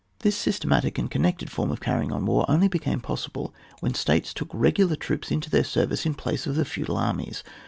This systematic and connected form of carrying on war only became possible when states took regular troops into their service in place of the feudal armies.